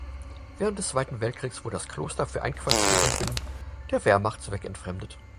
Während des Zweiten Weltkriegs wurde das Kloster für Einquartierungen der Wehrmacht zweckentfremdet.